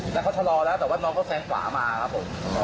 แล้วเขาชะลอแล้วแต่ว่าน้องเขาแซงขวามาครับผม